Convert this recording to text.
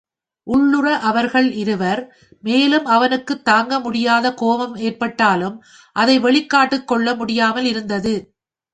உள்ளுற அவர்கள் இருவர் மேலும் அவனுக்குத் தாங்க முடியாத கோபம் ஏற்பட்டாலும் அதை வெளிக்காட்டிக் கொள்ள முடியாமல் இருந்தது.